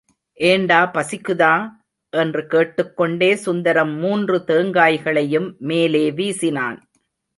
ஏண்டா, பசிக்குதா? என்று கேட்டுக்கொண்டே சுந்தரம் மூன்று தேங்காய்களையும் மேலே வீசினான்.